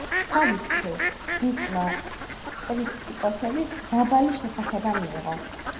თავის მხრივ, დისკმა კრიტიკოსების დაბალი შეფასება მიიღო.